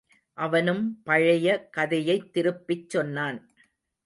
அவனும் பழைய கதையைத் திருப்பிச் சொன்னான்.